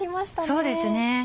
そうですね。